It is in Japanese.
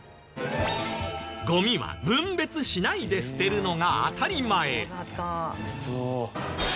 ゴミは分別しないで捨てるのが当たり前。